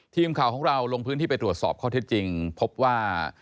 ทีมข่าวของเราลงพื้นที่ไปตรวจสอบข้อเท็จจริงพบว่า